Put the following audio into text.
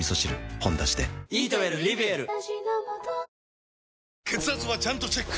「ほんだし」で血圧はちゃんとチェック！